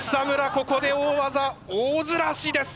ここで大技大ずらしです。